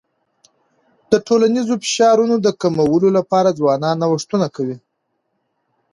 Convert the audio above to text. د ټولنیزو فشارونو د کمولو لپاره ځوانان نوښتونه کوي.